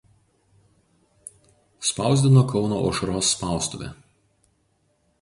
Spausdino Kauno „Aušros spaustuvė“.